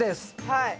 はい。